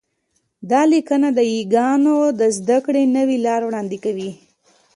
دا لیکنه د یاګانو د زده کړې نوې لار وړاندې کوي